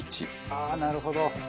ああなるほど。